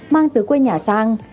mang từ quê nhà sang